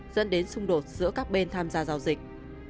dẫn đến xung đột giữa các bên tham gia giao dịch